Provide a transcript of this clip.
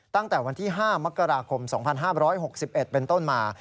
ตั้งแต่วันที่๕มกราคม๒๕๖๑เป็นต้นมา